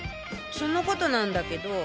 そのことなんだけど。